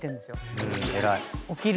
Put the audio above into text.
偉い。